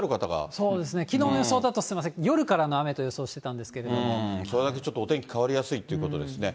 そうですね、きのうの予想だと、すみません、夜からの雨と予それだけちょっと、お天気変わりやすいということですね。